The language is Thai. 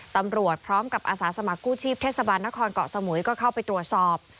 ตำรวจพร้อมกับอาสาสมัครกู้ชีพเทศบาลนครเกาะสมุยก็เข้าไปตรวจสอบ